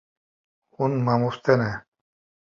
Hûn mamoste ne.